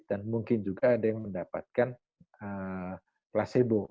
dan mungkin juga ada yang mendapatkan placebo